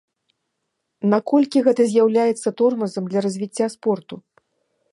Наколькі гэта з'яўляецца тормазам для развіцця спорту?